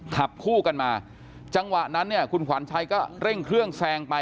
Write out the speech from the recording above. ขับคู่กันมาจังหวะนั้นเนี่ยคุณขวัญชัยก็เร่งเครื่องแซงไป